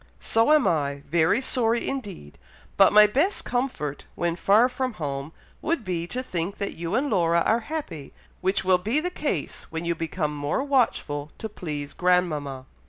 "So am I, very sorry indeed; but my best comfort, when far from home, would be, to think that you and Laura are happy, which will be the case when you become more watchful to please grandmama."